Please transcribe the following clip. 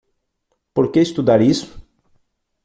Por que estudar isso?